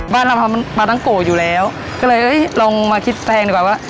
บ้านเรามันมาตั้งโกะอยู่แล้วก็เลยลองมาคิดแพงดีกว่าว่า